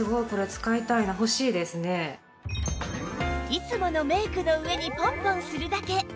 いつものメイクの上にポンポンするだけ